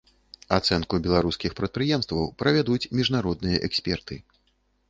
Ацэнку беларускіх прадпрыемстваў правядуць міжнародныя эксперты.